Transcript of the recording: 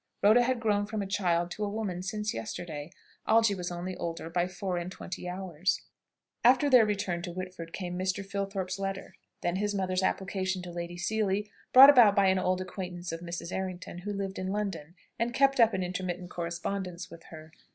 Rhoda had grown from a child to a woman since yesterday. Algy was only older by four and twenty hours. After their return to Whitford came Mr. Filthorpe's letter. Then his mother's application to Lady Seely, brought about by an old acquaintance of Mrs. Errington, who lived in London, and kept up an intermittent correspondence with her.